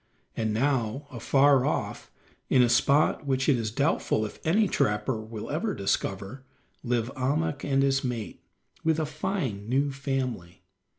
And now afar off, in a spot which it is doubtful if any trapper will ever discover, live Ahmuk and his mate, with a fine new family.